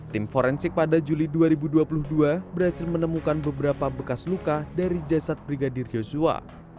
tim forensik pada juli dua ribu dua puluh dua berhasil menemukan beberapa bekas luka dari jasad brigadir yosua